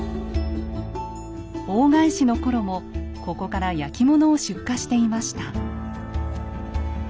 大返しの頃もここから焼き物を出荷していました。